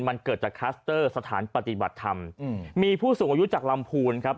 มันเกิดจากคลัสเตอร์สถานปฏิบัติธรรมมีผู้สูงอายุจากลำพูนครับ